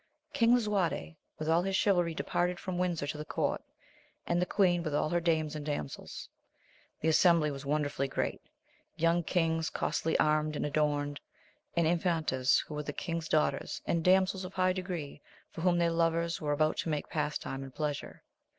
King Lisuarte with all his chivalry departed from Windsor to the court, and the queen with all her dames and damsels. The assembly was wonderfully great ; young knights costily armed and adorned, and infantas who were king's daughters, and damsels of high degree, for whom their lovers were about to make pastime and pleasure.